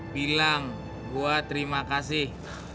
bilang gue terima kasih